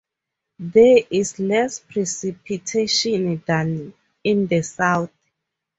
There is less precipitation than in the south.